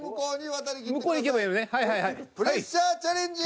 プレッシャーチャレンジ！